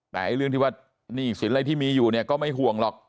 แต่เรื่องที่ว่าหนี้สินอะไรที่มีอยู่เนี่ยก็ไม่ห่วงหรอก